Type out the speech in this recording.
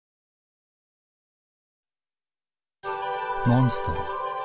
モンストロ。